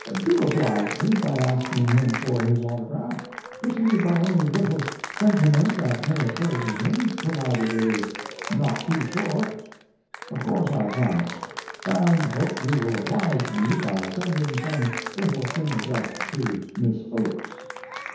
Do oblige me by asking him for his autograph, preceded by any little sentiment that may occur to him, provided it is not too short." Of course I promised, and hope you will oblige me by sending some little thing addressed to Miss Oakes.